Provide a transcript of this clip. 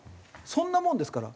そんなもんですから。